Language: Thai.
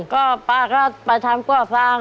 ก็ป้าก็ไปทำกว่าฟัง